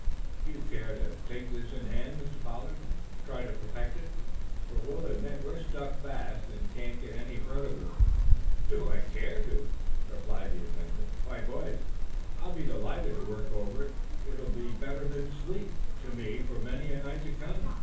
Do you care to take this in hand, Mr. Pollard, and try to perfect it? For we'll admit we're stuck fast and can't get any further with it." "Do I care to?" repeated the inventor. "Why, boys, I'll be delighted to work over it. It'll be better than sleep to me for many a night to come.